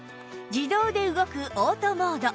自動で動くオートモード